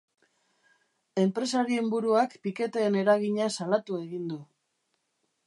Enpresarien buruak piketeen eragina salatu egin du.